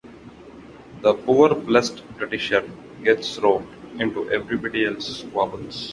The poor blessed Britisher gets roped into everybody else's squabbles.